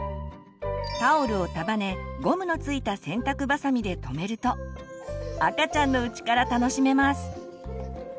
タオルを束ねゴムの付いた洗濯ばさみでとめると赤ちゃんのうちから楽しめます。